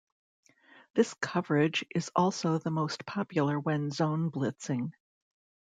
This coverage is also the most popular when zone blitzing.